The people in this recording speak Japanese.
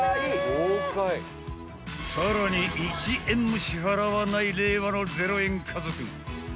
更に、１円も支払わない令和の０円家族。